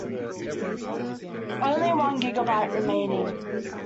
Only one gigabyte remaining.